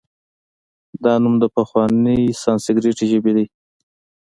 دا نوم د پخوانۍ سانسکریت ژبې دی